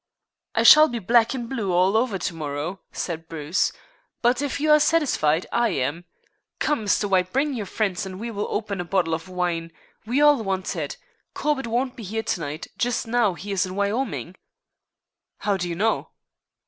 "I shall be black and blue all over to morrow," said Bruce; "but if you are satisfied I am. Come, Mr. White, bring your friends and we will open a bottle of wine. We all want it. Corbett won't be here to night. Just now he is in Wyoming." "How do you know?"